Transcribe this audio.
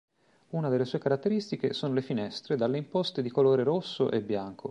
Una delle sue caratteristiche sono le finestre dalle imposte di colore rosso e bianco.